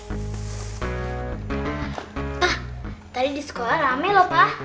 pa tadi di sekolah rame loh pa